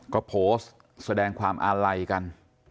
ก็โพสต์แสดงความอาลัยกัน